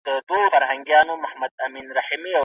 په کڅوڼي کي مي هیڅ نغدې پیسې نه وې ایښې.